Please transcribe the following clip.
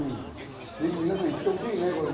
ぜひ皆さん、行ってほしいね。